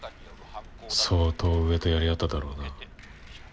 相当上とやりあっただろうな。